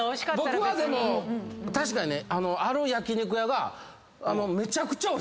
僕はでも確かにね。